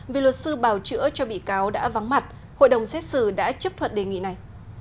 vì luật sư bào chữa cho bị cáo đã vắng mặt hội đồng xét xử đã chấp thuận đề nghị này